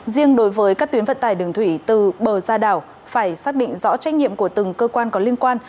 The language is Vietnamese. riêng đối với các tuyến vận tải đường thủy từ bờ ra đảo phải xác định rõ trách nhiệm của từng cơ quan có liên quan